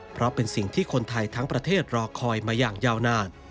เพราะเป็นสิ่งที่คนไทยทั้งประเทศรอคอยมาอย่างยาวนาน